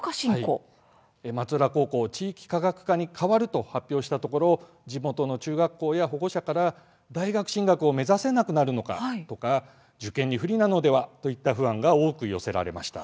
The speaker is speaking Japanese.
松浦高校を「地域科学科」に変わると発表したところ地元の中学校や保護者から「大学進学を目指せなくなるのか？」とか「受験に不利なのでは？」といった不安が多く寄せられました。